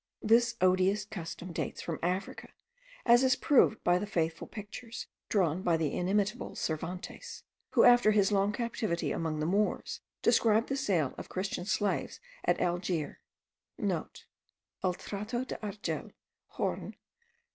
This odious custom dates from Africa, as is proved by the faithful pictures drawn by the inimitable Cervantes,* who after his long captivity among the Moors, described the sale of Christian slaves at Algiers. (* El Trato de Argel. Jorn.